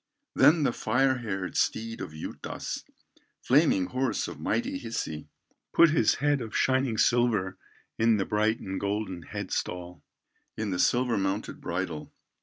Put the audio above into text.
Then the fire haired steed of Juutas, Flaming horse of mighty Hisi, Put his head of shining silver, In the bright and golden head stall, In the silver mounted bridle.